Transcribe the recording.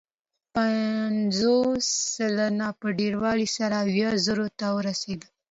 پنځوس سلنې په ډېروالي سره اویا زرو ته ورسېد.